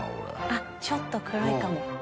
あっちょっと黒いかも。